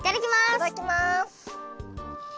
いただきます！